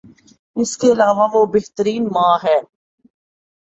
اس کے علاوہ وہ بہترین ماں ہیں